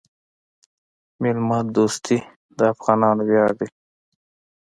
میلمه دوستي د افغانانو ویاړ دی.